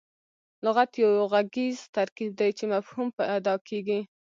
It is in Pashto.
لغت یو ږغیز ترکیب دئ، چي مفهوم په اداء کیږي.